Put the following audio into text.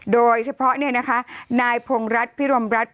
โดยเฉพาะนายพงรัฐพิรมรัฐ